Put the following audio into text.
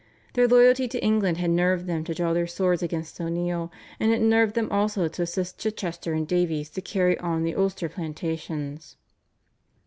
Their loyalty to England had nerved them to draw their swords against O'Neill, and it nerved them also to assist Chichester and Davies to carry on the Ulster Plantations.